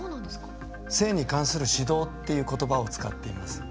性に関する指導ってことばを使っています。